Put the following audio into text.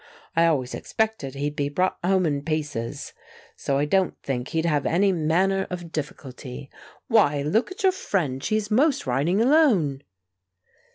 I always expected he'd be brought home in pieces. So I don't think he'd have any manner of difficulty. Why, look at your friend; she's 'most riding alone!"